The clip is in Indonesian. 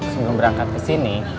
sebelum berangkat ke sini